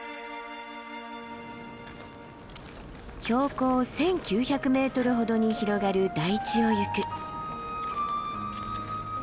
標高１，９００ｍほどに広がる台地をゆく。